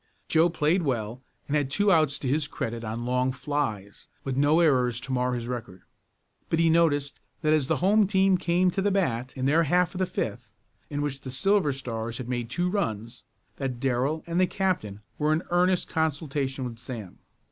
Joe played well and had two outs to his credit on long flies, with no errors to mar his record. But he noticed that as the home team came to the bat in their half of the fifth, in which the Silver Stars had made two runs, that Darrell and the captain were in earnest consultation with Sam.